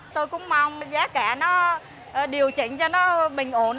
tôi cũng mong giá cả nó điều chỉnh cho nó bình ổn